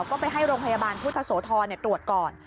ก็ไปให้โรงพยาบาลพุทธโสธรตรวจก่อน